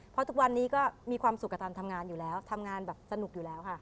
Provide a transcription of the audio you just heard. เพราะทุกวันนี้ก็มีความสุขกับการทำงานอยู่แล้วทำงานแบบสนุกอยู่แล้วค่ะ